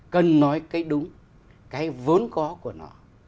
cần nói cái đúng cái vốn có của nó